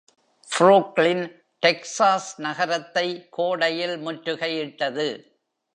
"Brooklyn" Texas நகரத்தை கோடையில் முற்றுகையிட்டது.